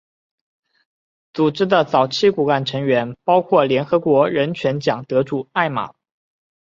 组织的早期骨干成员包括联合国人权奖得主艾玛。